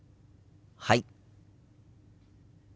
はい。